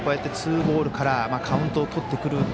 ツーボールからカウントをとってくる。